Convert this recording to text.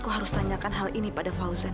aku harus tanyakan hal ini pada fauzan